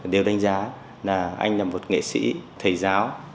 đều đánh giá là anh là một nghệ sĩ thầy giáo